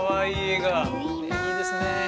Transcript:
いいですね。